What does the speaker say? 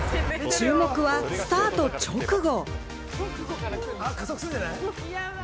注目はスタート直後。